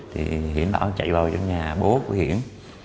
thì hiển bảo chạy vào trong nhà bố của hiển